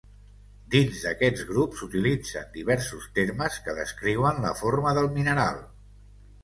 Dins d'aquests grups, s'utilitzen diversos termes que descriuen la forma del mineral.